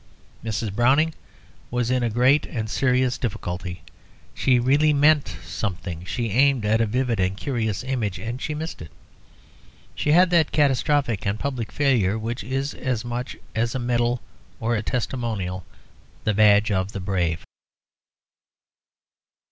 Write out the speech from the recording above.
Mrs. Browning was in a great and serious difficulty. She really meant something. She aimed at a vivid and curious image, and she missed it. She had that catastrophic and public failure which is, as much as a medal or a testimonial, the badge of the brave.